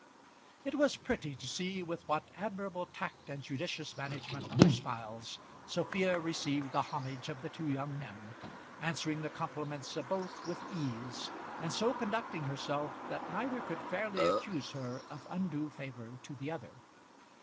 It was pretty to see with what admirable tact and judicious management of her smiles Sophia received the homage of the two young men, answering the compliments of both with ease, and so conducting herself that neither could fairly accuse her of undue favour to the other.